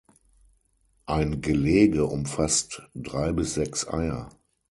Ein Gelege umfasst drei bis sechs Eier.